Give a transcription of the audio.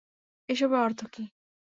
এসবের অর্থ কী?